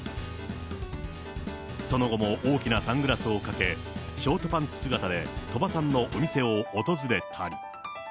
その後も大きなサングラスをかけ、ショートパンツ姿で鳥羽さんのお店を訪れたり。